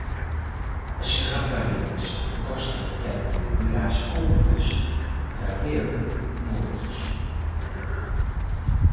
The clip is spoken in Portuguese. As raparigas gostam sempre de ir às compras para ver montras.